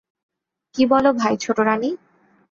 কী বল ভাই ছোটোরানী?